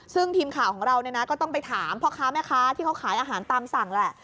ซึ่งทีมข่าวของเราเนี่ยนะก็ต้องไปถามพ่อค้าแม่ค้าที่เขาขายอาหารตามสั่งแหละ